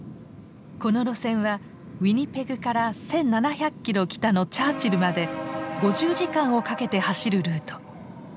この路線はウィニペグから１，７００キロ北のチャーチルまで５０時間をかけて走るルート。